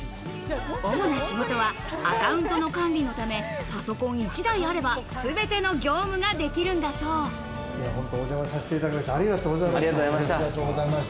主な仕事はアカウントの管理のため、パソコン１台あればすべてのありがとうございました。